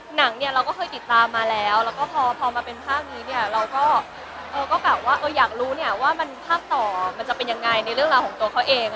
หนังเราก็เคยติดตามมาแล้วพอมาเป็นภาคนี้เราก็อยากรู้ว่าภาพต่อจะเป็นยังไงในเรื่องราวของตัวเค้าเอง